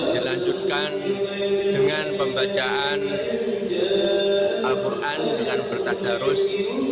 dilanjutkan dengan pembacaan al quran dengan bertadarus